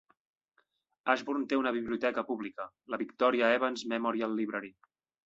Ashburn té una biblioteca pública, la Victoria Evans Memorial Library.